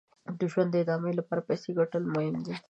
د ژوند د ادامې لپاره پیسې ګټل یې مهم دي.